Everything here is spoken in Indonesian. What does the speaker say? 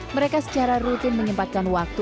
mereka secara rutin menyempatkan waktu